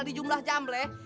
di jumlah jambleh